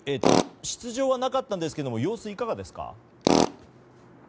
出場はなかったんですけども様子はいかがですか？